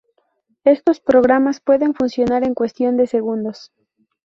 Estos programas pueden funcionar en cuestión de segundos.